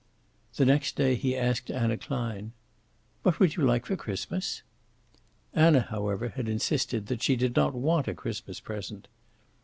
The next day he asked Anna Klein: "What would you like for Christmas?" Anna, however, had insisted that she did not want a Christmas present.